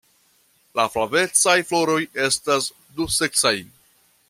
La flavecaj floroj estas duseksaj.